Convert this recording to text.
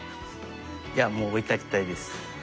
いやもう追いかけたいです。